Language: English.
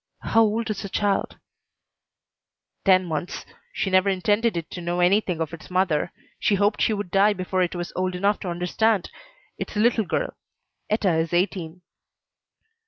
"How old is the child?" "Ten months. She never intended it to know anything of its mother. She hoped she would die before it was old enough to understand. It's a little girl. Etta is eighteen."